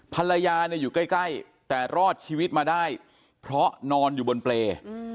ภรรยาเนี่ยอยู่ใกล้แต่รอดชีวิตมาได้เพราะนอนอยู่บนเปรย์